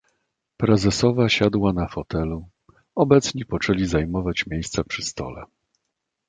"Prezesowa siadła na fotelu; obecni poczęli zajmować miejsca przy stole."